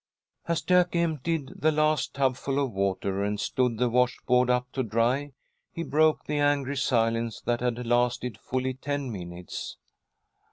As Jack emptied the last tubful of water, and stood the wash board up to dry, he broke the angry silence that had lasted fully ten minutes.